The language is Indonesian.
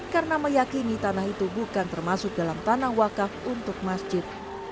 karena meyakini tanah itu bukan termasuk dalam tanah wakaf untuk masjid